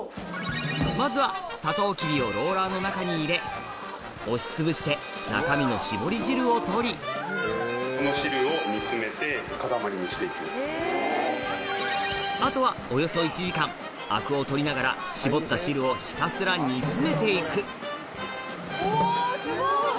まずはサトウキビをローラーの中に入れ押しつぶして中身の搾り汁を取りあとはおよそ１時間アクを取りながら搾った汁をひたすら煮詰めて行くおすごい！